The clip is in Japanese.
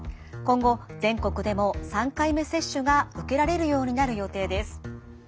今後全国でも３回目接種が受けられるようになる予定です。